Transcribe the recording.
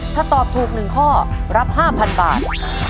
ถ้าตอบถูก๑ข้อรับ๕๐๐๐บาท